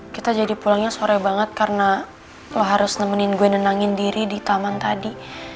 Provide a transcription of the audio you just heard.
kita jadi pulangnya sore banget karena lo harus nemenin gue nenangin diri di taman tadi